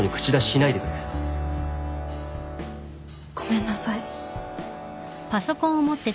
ごめんなさい。